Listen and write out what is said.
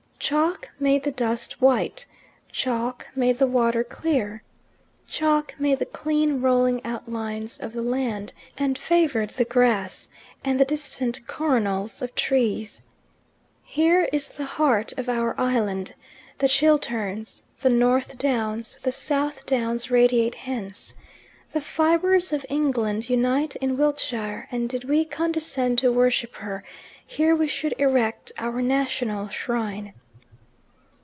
Chalk made the dust white, chalk made the water clear, chalk made the clean rolling outlines of the land, and favoured the grass and the distant coronals of trees. Here is the heart of our island: the Chilterns, the North Downs, the South Downs radiate hence. The fibres of England unite in Wiltshire, and did we condescend to worship her, here we should erect our national shrine.